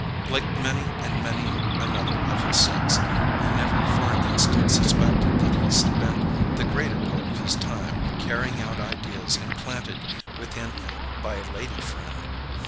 Like many and many another of his sex, he never for an instant suspected that he spent the greater part of his time carrying out ideas implanted within him by a lady friend.